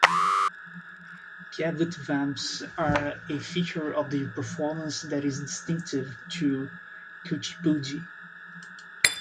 Kavutvams are a feature of the performance that is distinctive to Kuchipudi.